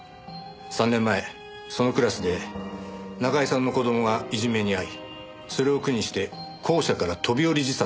３年前そのクラスで中居さんの子供がいじめにあいそれを苦にして校舎から飛び降り自殺を図った。